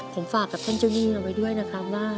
ผมฝากกับท่านเจ้าหนี้เอาไว้ด้วยนะครับว่า